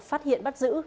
phát hiện bắt giữ